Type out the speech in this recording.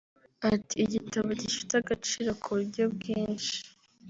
Ati “Igitabo gifite agaciro ku buryo bwinshi